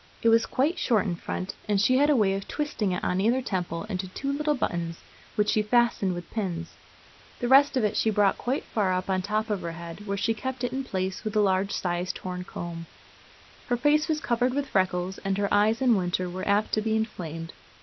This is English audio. It was quite short in front, and she had a way of twisting it, on either temple, into two little buttons, which she fastened with pins. The rest of it she brought quite far up on the top of her head, where she kept it in place with a large sized horn comb. Her face was covered with freckles, and her eyes, in winter, were apt to be inflamed.